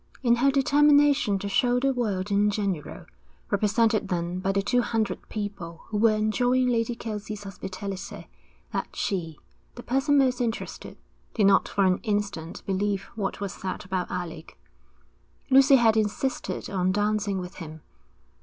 In her determination to show the world in general, represented then by the two hundred people who were enjoying Lady Kelsey's hospitality, that she, the person most interested, did not for an instant believe what was said about Alec, Lucy had insisted on dancing with him.